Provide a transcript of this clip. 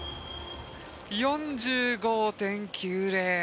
４５．９０。